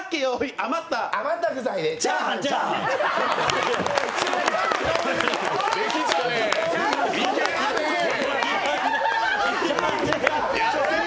余った具材で、チャーハンチャーハン。